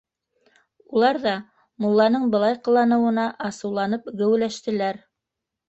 Улар ҙа мулланың былай ҡыланыуына асыуланып геүләштеләр.